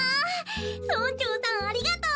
村長さんありがとう！